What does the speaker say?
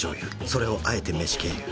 それをあえて飯経由。